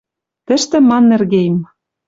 Тӹштӹ Маннергейм...